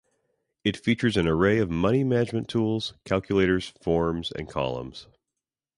It features an array of money management tools, calculators, forums and columns.